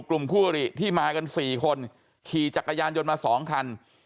กลุ่มพุรีที่มากันสี่คนขี่จักรยานยนต์มาสองคัน